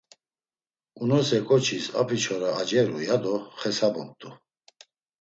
Unose ǩoçis abiçoraşi aceru, yado xesabumt̆u.